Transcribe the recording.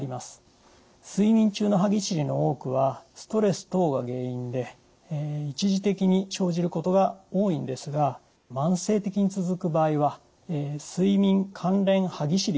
睡眠中の歯ぎしりの多くはストレス等が原因で一時的に生じることが多いんですが慢性的に続く場合は睡眠関連歯ぎしりという病気の可能性があります。